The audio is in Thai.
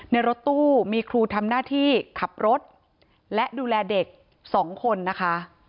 รถตู้มีครูทำหน้าที่ขับรถและดูแลเด็ก๒คนนะคะ